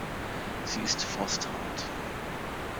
Sie ist frosthart.